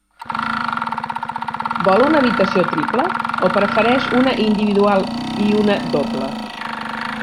Vol una habitació triple o prefereix una individual i una doble?